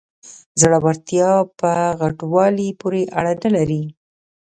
زړورتیا په غټوالي پورې اړه نلري.